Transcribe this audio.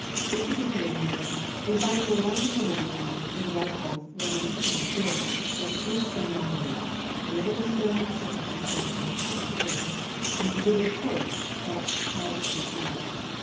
Recapitulating, then, we find that along the meridian line through the White House, run in 1804, were three stone monu ments—Meridian stone, Jefferson stone, and Capitol stone, and a wooden post at I street north.